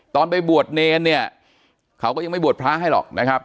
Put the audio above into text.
ไปบวชเนรเนี่ยเขาก็ยังไม่บวชพระให้หรอกนะครับ